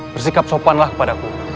bersikap sopanlah padaku